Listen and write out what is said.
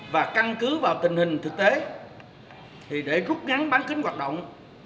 và căn cứ vào tình hình thực tế để rút ngắn bán kính hoạt động